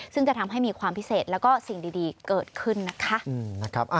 ซึ่งจะทำให้มีความพิเศษแล้วก็สิ่งดีเกิดขึ้นนะคะ